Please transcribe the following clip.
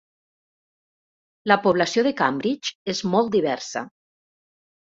La població de Cambridge és molt diversa.